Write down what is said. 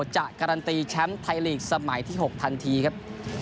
จะการันตีแชมป์ไทยลีกสมัยที่๖ทันทีครับ